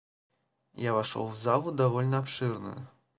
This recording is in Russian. Я вошел в залу довольно обширную.